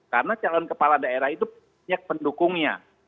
karena calon kepala daerah itu banyak pendukungnya